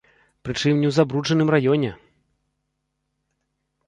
Прычым у не ў забруджаным раёне!